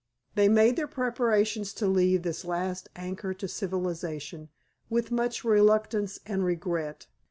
They made their preparations to leave this last anchor to civilization with much reluctance and regret.